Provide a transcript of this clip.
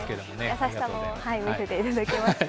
優しさも見せていただきました。